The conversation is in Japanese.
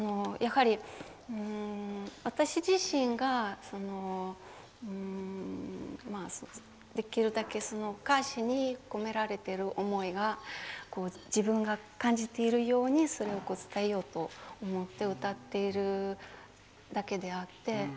私自身が、できるだけ歌詞に込められている思いが自分が感じているようにそれを伝えようと思って歌っているだけであって。